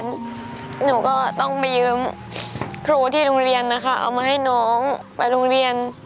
หนูก็ต้องไปยืมครูที่โรงเรียนนะคะเอามาให้น้องไปโรงเรียน